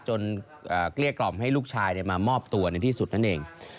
เกลี้ยกล่อมให้ลูกชายมามอบตัวในที่สุดนั่นเอง